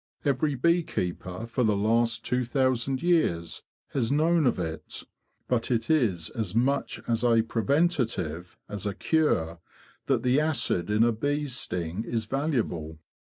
Every bee keeper for the last two thousand years has known of it. But it is as much as a preventive as a cure that the acid in a bee's sting is valuable.